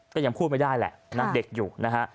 ก็ยังพูดไม่ได้แหละนะเด็กอยู่นะฮะ